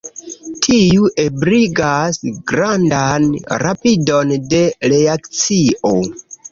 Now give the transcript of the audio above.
Tiu ebligas grandan rapidon de reakcio.